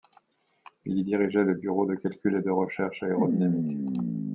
Il y dirigeait le bureau de calcul et de recherche aérodynamiques.